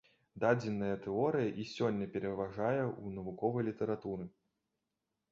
Дадзеная тэорыя і сёння пераважае ў навуковай літаратуры.